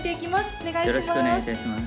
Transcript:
お願いします。